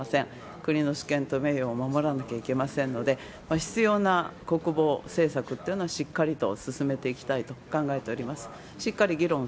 国の主権と名誉を守らなきゃいけませんので、必要な国防政策というのは、しっかりと進めていきたいと考えております。